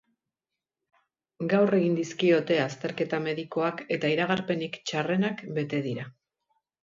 Gaur egin dizkiote azterketa medikoak eta iragarpenik txarrenak bete dira.